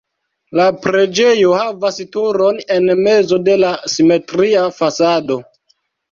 La preĝejo havas turon en mezo de la simetria fasado.